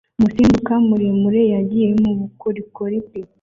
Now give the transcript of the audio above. Umusimbuka muremure yagiye mubukorikori bwe